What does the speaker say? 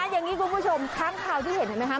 อย่างนี้คุณผู้ชมค้างคาวที่เห็นเห็นไหมคะ